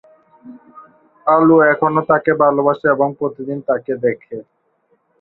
আলু এখনও তাকে ভালবাসে এবং প্রতিদিন তাকে দেখে।